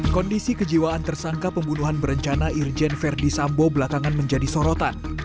kondisi kejiwaan tersangka pembunuhan berencana irjen verdi sambo belakangan menjadi sorotan